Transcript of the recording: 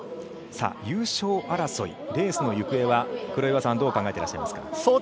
優勝争い、レースの行方は黒岩さんはどう考えてらっしゃいますか？